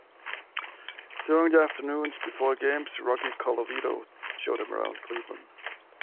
During the afternoons before games, Rocky Colavito showed them around Cleveland.